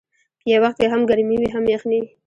په یو وخت کې هم ګرمي وي هم یخني.